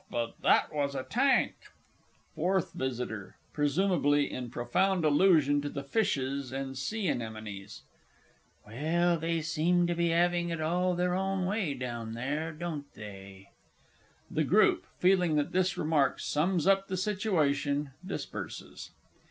But that was a tank! FOURTH V. (presumably in profound allusion to the fishes and sea anemones). Well, they seem to be 'aving it all their own way down there, don't they? [_The Group, feeling that this remark sums up the situation, disperses.